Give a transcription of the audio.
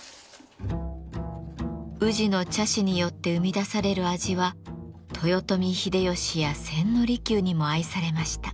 宇治の茶師によって生み出される味は豊臣秀吉や千利休にも愛されました。